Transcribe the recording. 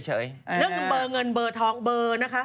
เรื่องเบอร์เงินเบอร์ทองเบอร์นะคะ